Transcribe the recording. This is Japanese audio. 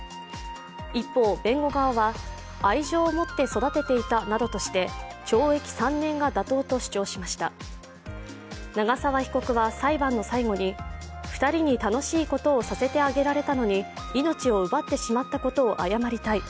一方、弁護側は愛情を持って育てていたなどとして懲役３年が妥当などと主張しました長沢被告は裁判の最後に２人に楽しいことをさせてあげられたのに命を奪ってしまったことを謝りたい。